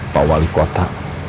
pak wali kota